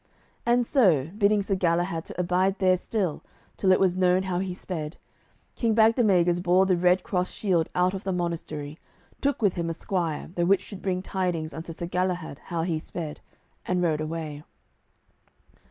And so, bidding Sir Galahad to abide there still, till it was known how he sped, King Bagdemagus bore the red cross shield out of the monastery, took with him a squire, the which should bring tidings unto Sir Galahad how he sped, and rode away.